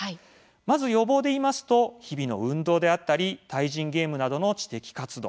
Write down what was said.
まず予防では日々の運動であったり対人ゲームなどの知的活動